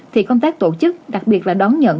thì công tác tổ chức đặc biệt là đón nhận